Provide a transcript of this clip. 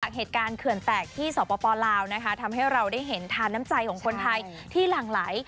เหตุการณ์เขื่อนแตกที่สปลาวทำให้เราได้เห็นทานน้ำใจของคนไทยที่หลั่งไหล